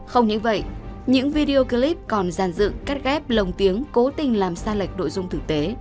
không những vậy những video clip còn giàn dựng cắt ghép lồng tiếng cố tình làm sai lệch nội dung thực tế